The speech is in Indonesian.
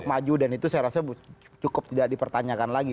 maju dan itu saya rasa cukup tidak dipertanyakan lagi